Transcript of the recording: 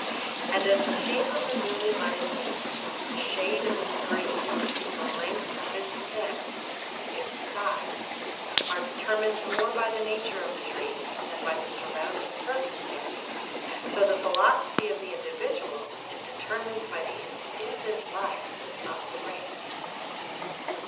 And as the shape of the newly budding leaf, the shade of its green, the length of its stem, its size, are de termined more by the nature of the tree than by sur rounding circumstances, so the philosophy of the indi vidual is determined by the instinctive life of the race.